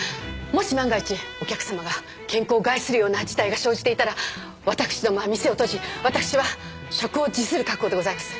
もし万が一お客様が健康を害するような事態が生じていたら私どもは店を閉じ私は職を辞する覚悟でございます。